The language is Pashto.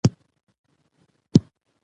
مور مې راته وویل چې تل بايد رښتیا ووایم.